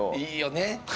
いいよね！